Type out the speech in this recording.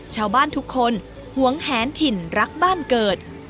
ชาวบ้านทุกคนหวงแหนถิ่นรักบ้านเกิด